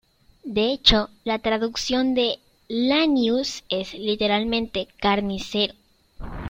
De hecho, la traducción de "Lanius" es, literalmente, "carnicero".